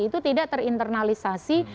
itu tidak terinternalisasi